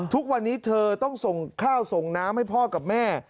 ทุกวันนี้เธอต้องส่งข้าวส่งน้ำให้พ่อกับแม่